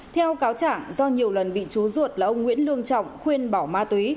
theo cáo chẳng do nhiều lần bị chú ruột là ông nguyễn lương trọng khuyên bỏ ma túy